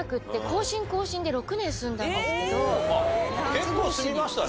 結構住みましたね。